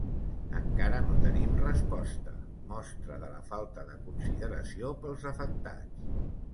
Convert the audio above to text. Encara no tenim resposta: mostra de la falta de consideració pels afectats.